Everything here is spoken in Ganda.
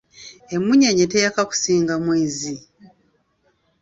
Emmunyeenye teyaka kusinga mwezi.